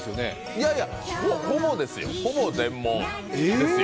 いやいや、ほぼですよ、ほぼ全問ですよ。